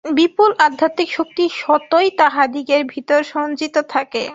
বিপুল আধ্যাত্মিক শক্তি স্বতই তাঁহাদিগের ভিতর সঞ্চিত থাকে।